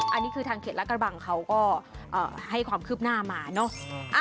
อันนี้คือทางเขตรัฐกระบังเขาก็ให้ความคืบหน้ามาเนอะ